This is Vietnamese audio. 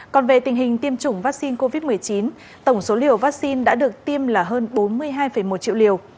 còn về tình hình tiêm chủng vaccine covid một mươi chín tổng số liều vaccine đã được tiêm là hơn bốn mươi hai một triệu liều